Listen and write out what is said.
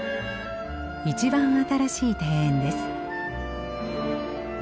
一番新しい庭園です。